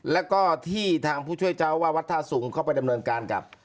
แล้วก็ที่ทางผู้ช่วยเจ้าว่าวัดท่าสูงเข้าไปดำเนินการกับ